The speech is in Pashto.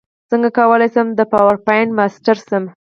څنګه کولی شم د پاورپاینټ ماسټر شم